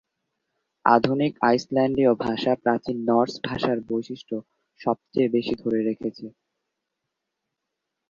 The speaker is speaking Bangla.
আধুনিক আইসল্যান্ডীয় ভাষা প্রাচীন নর্স ভাষার বৈশিষ্ট্য সবচেয়ে বেশি ধরে রেখেছে।